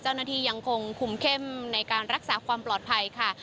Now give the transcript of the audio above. ยังคงคุมเข้มในการรักษาความปลอดภัยค่ะ